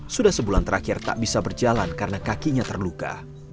sudah sebulan terakhir tak bisa berjalan karena kakinya terluka